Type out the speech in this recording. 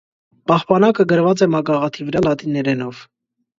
Պահպանակը գրված է մագաղաթի վրա՝ լատիներենով։